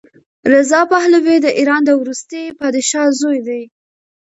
رضا پهلوي د ایران د وروستي پادشاه زوی دی.